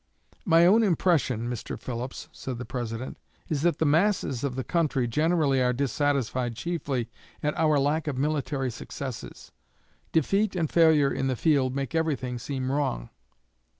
'My own impression, Mr. Phillips,' said the President, 'is that the masses of the country generally are dissatisfied chiefly at our lack of military successes. Defeat and failure in the field make everything seem wrong.'